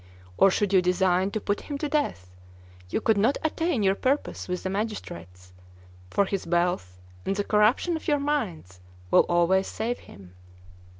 Or should you design to put him to death, you could not attain your purpose with the magistrates, for his wealth, and the corruption of your minds, will always save him.